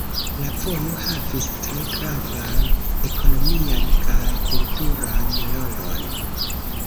La vojo havis tre gravan ekonomian kaj kulturan rolon.